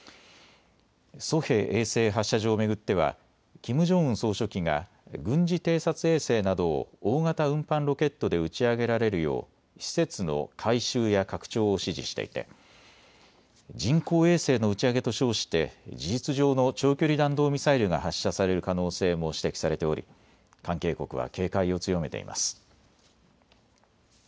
ソヘ衛星発射場を巡ってはキム・ジョンウン総書記が軍事偵察衛星などを大型運搬ロケットで打ち上げられるよう施設の改修や拡張を指示していて人工衛星の打ち上げと称して事実上の長距離弾道ミサイルが発射される可能性も指摘されており関係国は警戒を強めています。